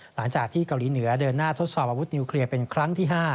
หลังจากที่เกาหลีเหนือเดินหน้าทดสอบอาวุธนิวเคลียร์เป็นครั้งที่๕